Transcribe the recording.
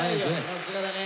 さすがだね。